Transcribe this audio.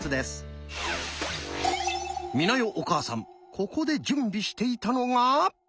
ここで準備していたのが。